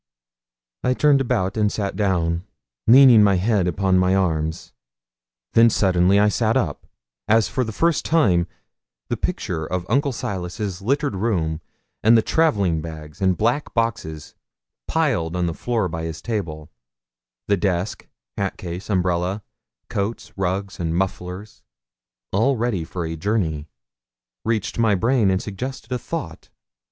I turned about and sat down, leaning my head upon my arms. Then suddenly I sat up, as for the first time the picture of Uncle Silas's littered room, and the travelling bags and black boxes plied on the floor by his table the desk, hat case, umbrella, coats, rugs, and mufflers, all ready for a journey reached my brain and suggested thought.